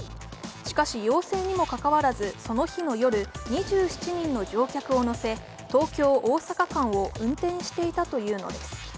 しかし陽性にもかかわらずその日の夜、２７人の乗客を乗せ東京−大阪間を運転していたというのです。